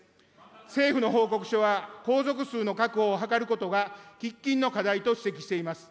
政府の報告書は、皇族数の確保を図ることが喫緊の課題と指摘しています。